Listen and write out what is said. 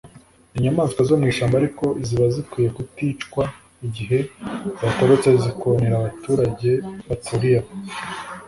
ni inyamaswa zo mu ishyamba ariko ziba zikwiye kuticwa igihe zatorotse zikonera abaturage baturiye aho.